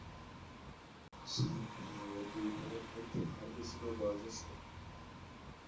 সাত ভাই ও দুই বোনের মধ্যে হার্ভে ছিলেন বয়োজ্যেষ্ঠ।